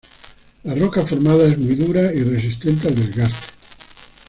La roca formada es muy dura y resistente al desgaste.